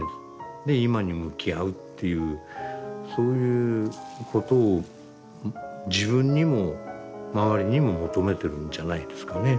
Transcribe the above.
で今に向き合うっていうそういうことを自分にも周りにも求めてるんじゃないですかね。